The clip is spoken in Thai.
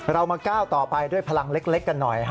เรามาก้าวต่อไปด้วยพลังเล็กกันหน่อย